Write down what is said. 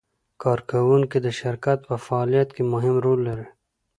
کارکوونکي د شرکت په فعالیت کې مهم رول لري.